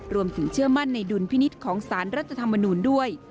เชื่อมั่นในดุลพินิษฐ์ของสารรัฐธรรมนูลด้วย